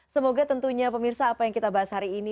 semoga tentunya pemirsa apa yang kita bahas hari ini